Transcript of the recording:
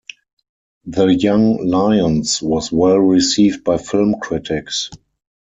"The Young Lions" was well received by film critics.